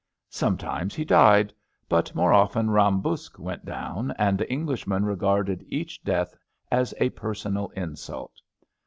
Sometimes he died; but more often Ram Buksh went down, and the Englishman regarded each death as a personal insult.